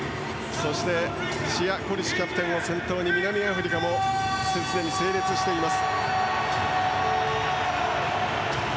そしてシヤ・コリシキャプテンを先頭に南アフリカもすでに整列しています。